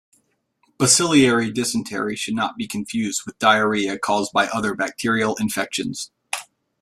Bacillary dysentery should not be confused with diarrhea caused by other bacterial infections.